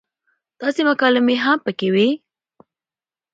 داسې مکالمې هم پکې وې